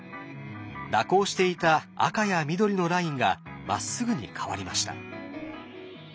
蛇行していた赤や緑のラインがまっすぐに変わりました。